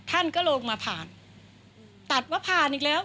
ท่านก็ลงมาผ่านตัดว่าผ่านอีกแล้ว